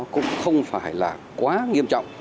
cũng không phải là quá nghiêm trọng